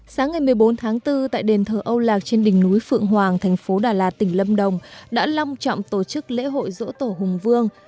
sáng ngày một mươi bốn tháng bốn tại đền thờ âu lạc trên đỉnh núi phượng hoàng thành phố đà lạt tỉnh lâm đồng đã long trọng tổ chức lễ hội dỗ tổ hùng vương